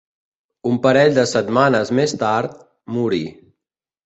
Un parell de setmanes més tard, morí.